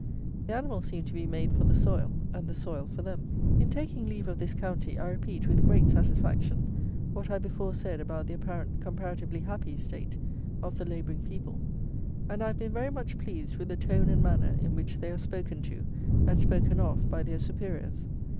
The animals seem to be made for the soil, and the soil for them. In taking leave of this county, I repeat, with great satisfaction, what I before said about the apparent comparatively happy state of the labouring people; and I have been very much pleased with the tone and manner in which they are spoken to and spoken of by their superiors.